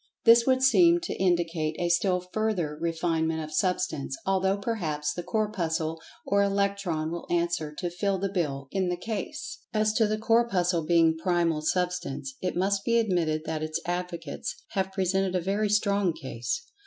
This would seem to indicate a still further refinement of Substance, although perhaps the "Corpuscle" or "Electron" will answer to "fill the bill" in the case. As to the Corpuscle being "Primal Substance," it must be admitted that its advocates have presented a very strong case.